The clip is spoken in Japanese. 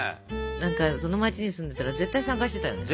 何かその街に住んでたら絶対参加してたよね。